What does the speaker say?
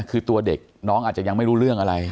คือตัวเด็กน้องอาจจะยังไม่รู้เรื่องอะไร